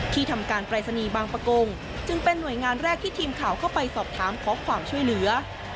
ทำการปรายศนีย์บางประกงจึงเป็นหน่วยงานแรกที่ทีมข่าวเข้าไปสอบถามขอความช่วยเหลือ